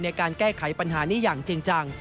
ในการแก้ไขปัญหานี้อย่างจริงจัง